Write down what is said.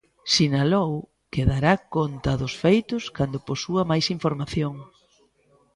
Sinalou que dará conta dos feitos cando posúa máis información.